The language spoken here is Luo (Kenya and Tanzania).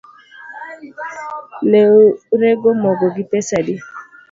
Neurego mogo gi pesa adi